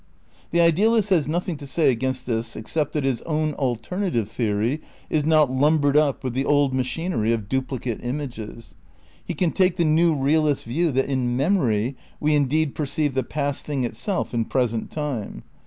The idealist has nothing to say against this except that his own alternative theory is not lumbered up with the old machinery of duplicate images. He can take the new realist's view that in memory we indeed per ceive the past thing itself in present time.